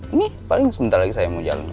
ini paling sebentar lagi saya mau jalan